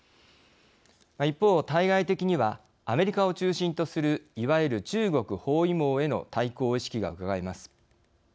一方、対外的にはアメリカを中心とするいわゆる、中国包囲網への対抗意識がうかがえます。